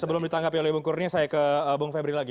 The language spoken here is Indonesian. sebelum ditanggapi oleh bung kurnia saya ke bung febri lagi